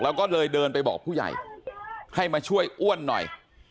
แล้วก็เลยเดินไปบอกผู้ใหญ่ให้มาช่วยอ้วนหน่อย